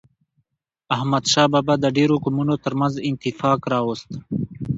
احمد شاه بابا د ډیرو قومونو ترمنځ اتفاق راوست.